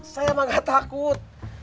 saya emang gak takut